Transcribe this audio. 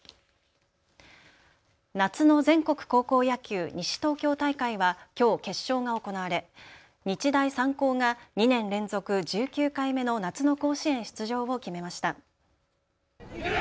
夏の全国高校野球西東京大会はきょう決勝が行われ日大三高が２年連続、１９回目の夏の甲子園出場を決めました。